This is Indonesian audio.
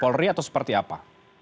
polri atau seperti apa